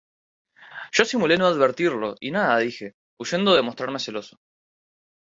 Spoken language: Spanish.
yo simulé no advertirlo, y nada dije, huyendo de mostrarme celoso.